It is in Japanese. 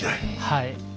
はい。